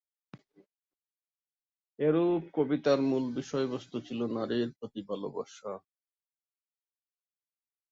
এরুপ কবিতার মূল বিষয়বস্তু ছিল নারীর প্রতি ভালবাসা।